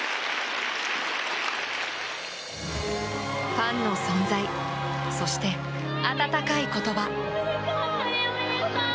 ファンの存在そして温かい言葉。